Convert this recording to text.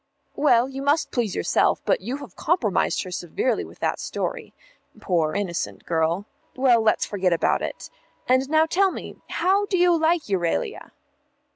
"Well, you must please yourself, but you have compromised her severely with that story. Poor innocent girl. Well, let's forget about it. And now tell me, how do you like Euralia?"